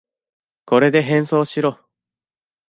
これで変装しろ。